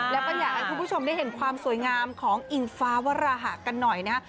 แล้วก็อยากให้คุณผู้ชมได้เห็นความสวยงามของอิงฟ้าวราหะกันหน่อยนะฮะ